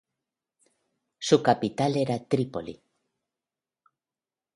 Su capital era Tripoli.